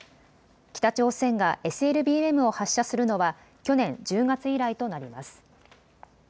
北朝鮮がＳＬＢＭを発射するのは去年１０月以来となります。